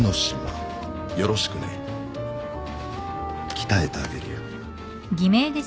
鍛えてあげるよ。